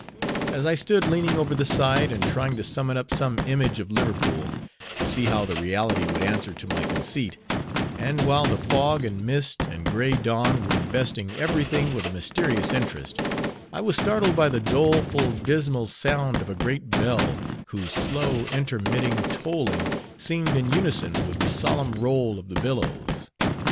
As I stood leaning over the side, and trying to summon up some image of Liverpool, to see how the reality would answer to my conceit; and while the fog, and mist, and gray dawn were investing every thing with a mysterious interest, I was startled by the doleful, dismal sound of a great bell, whose slow intermitting tolling seemed in unison with the solemn roll of the billows.